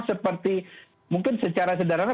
seperti mungkin secara sederhana